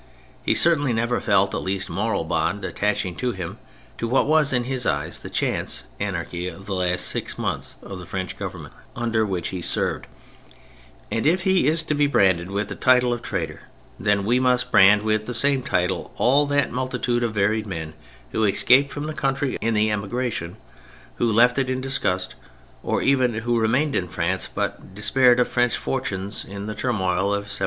He certainly never felt the least moral bond attaching him to what was in his eyes the chance anarchy of the last six months of French Government under which he served, and if he is to be branded with the title of traitor, then we must brand with the same title all that multitude of varied men who escaped from the country in the Emigration, who left it in disgust, or even who remained in France, but despaired of French fortunes, in the turmoil of 1793.